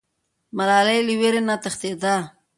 ملالۍ له ویرې نه تښتېده.